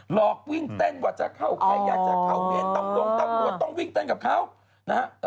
หลอกวิ่งเต้นว่าจะเข้าใครอยากจะเข้าเมนตำรงตำรวจต้องวิ่งเต้นกับเขานะฮะ